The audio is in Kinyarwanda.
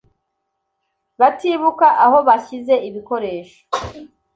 batibuka aho bashyize ibikoresho